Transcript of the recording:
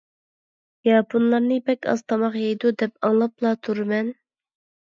ياپونلارنى بەك ئاز تاماق يەيدۇ دەپ ئاڭلاپلا تۇرىمەن.